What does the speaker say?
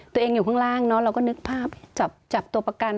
ตัวเองอยู่ข้างล่างเราก็นึกภาพจับตัวประกัน